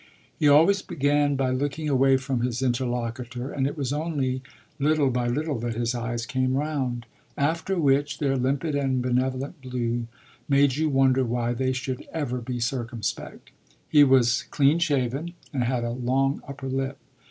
He always began by looking away from his interlocutor, and it was only little by little that his eyes came round; after which their limpid and benevolent blue made you wonder why they should ever be circumspect. He was clean shaven and had a long upper lip.